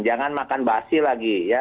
jangan makan basi lagi ya